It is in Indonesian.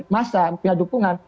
masa punya dukungan